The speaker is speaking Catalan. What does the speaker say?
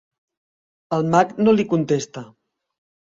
El mag no li contesta.